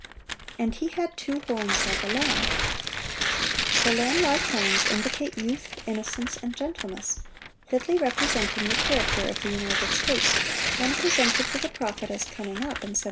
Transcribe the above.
(742) "And he had two horns like a lamb." The lamb like horns indicate youth, innocence, and gentleness, fitly representing the character of the United States when presented to the prophet as "coming up" in 1798.